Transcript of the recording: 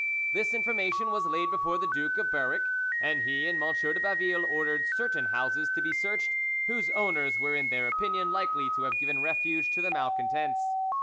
This information was laid before the Duke of Berwick, and he and M. de Baville ordered certain houses to be searched, whose owners were in their opinion likely to have given refuge to the malcontents.